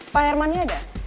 pak hermannya ada